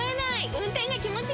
運転が気持ちいい！